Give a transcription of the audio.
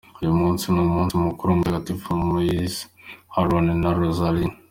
Uyu munsi ni umunsi mukuru wa Mutagatifu Moise, Aaron na Rozaliya.